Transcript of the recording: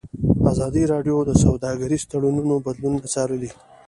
ازادي راډیو د سوداګریز تړونونه بدلونونه څارلي.